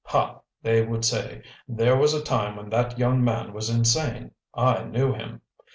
'Ha,' they would say, 'there was a time when that young man was insane. I knew him!'